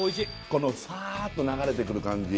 このサーッと流れてくる感じ